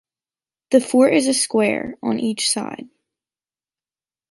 The fort is a square, on each side.